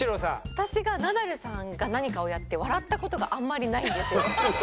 私がナダルさんが何かをやって笑った事があんまりないんですよ。